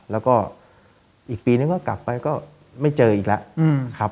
แล้วก็อีกปีนึงก็กลับไปก็ไม่เจออีกแล้วครับ